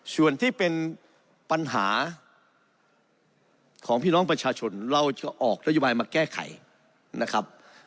ส่วนที่เป็นปัญหาของพี่น้องประชาชนเราจะออกนโยบายมาแก้ไขนะครับ